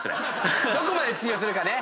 どこまで通用するかね。